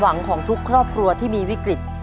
หวังของทุกครอบครัวที่มีวิกฤต